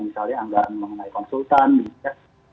misalnya anggaran mengenai konsultan bintang